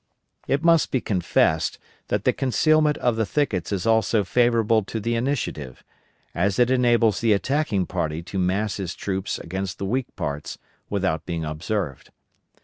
It must be confessed that the concealment of the thickets is also favorable to the initiative, as it enables the attacking party to mass his troops against the weak parts without being observed.